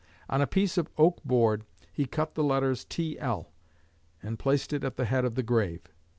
On a piece of oak board he cut the letters T.L. and placed it at the head of the grave.